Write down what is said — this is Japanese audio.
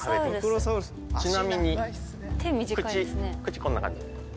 ちなみに口こんな感じです。